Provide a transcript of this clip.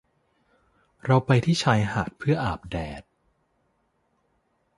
เราไปที่ชายหาดเพื่ออาบแดด